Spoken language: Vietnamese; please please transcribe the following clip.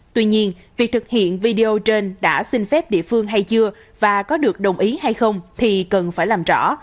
tuy nhiên việc thực hiện video trên đã xin phép địa phương hay chưa và có được đồng ý hay không thì cần phải làm rõ